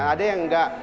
ada yang enggak